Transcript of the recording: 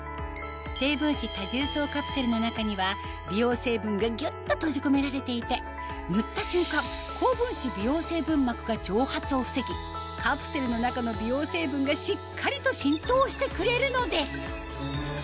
カプセルの中には美容成分がぎゅっと閉じ込められていて塗った瞬間高分子美容成分膜が蒸発を防ぎカプセルの中の美容成分がしっかりと浸透してくれるのです